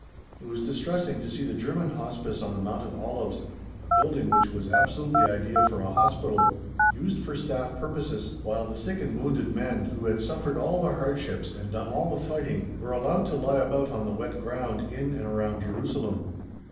It was distressing to see the German Hospice on the Mount of Olives, a building which was absolutely ideal for a Hospital, used for Staff purposes, while the sick and wounded men, who had suffered all the hardships and done all the fighting, were allowed to lie about on the wet ground in and around Jerusalem.